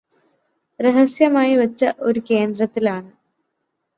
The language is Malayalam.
രഹസ്യമായി വച്ച ഒരു കേന്ദ്രത്തിൽ ആണ്